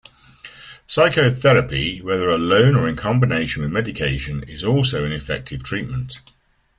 Psychotherapy, whether alone or in combination with medication, is also an effective treatment.